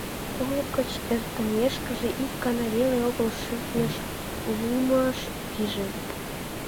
Олык гоч эртымешкыже ик гана веле огыл шӱртньыш, лумыш пиже.